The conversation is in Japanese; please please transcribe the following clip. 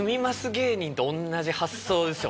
芸人と同じ発想ですよ